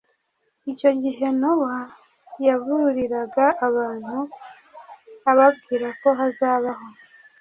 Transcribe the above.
Icyo gihe nowa yaburiraga abantu ababwira ko hazabaho